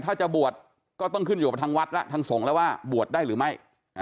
ถ้าจะบวชก็ต้องขึ้นอยู่กับทางวัดแล้วทางสงฆ์แล้วว่าบวชได้หรือไม่